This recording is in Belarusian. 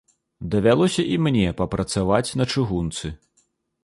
Давялося і мне папрацаваць на чыгунцы.